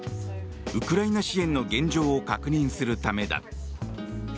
ウクライナ支援の現状を確認するためだ。